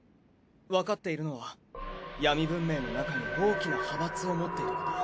わかっているのは闇文明の中に大きな派閥を持っていること。